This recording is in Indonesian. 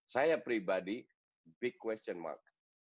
saya pribadi big question mark